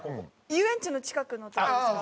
遊園地の近くの所ですか？